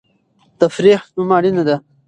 تفریح هم اړینه ده.